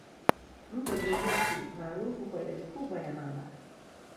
Mto Grumeti maarufu kwa idadi kubwa ya mamba